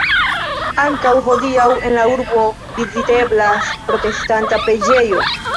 Ankaŭ hodiaŭ en la urbo viziteblas protestanta preĝejo.